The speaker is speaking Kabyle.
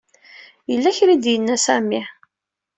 Yella kra ay d-yenna Sami.